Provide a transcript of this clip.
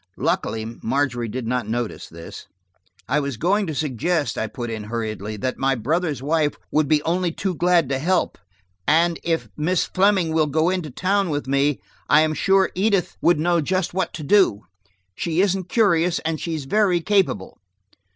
Luckily Margery did not notice this. "I was going to suggest," I put in hurriedly, "that my brother's wife would be only too glad to help, and if Miss Fleming will go into town with me, I am sure Edith would know just what to do. She isn't curious and she's very capable."